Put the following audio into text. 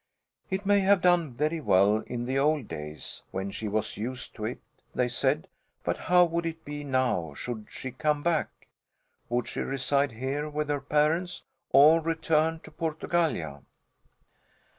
It may have done very well in the old days, when she was used to it, they said, but how would it be now should she come back? Would she reside here, with her parents, or return to Portugallia?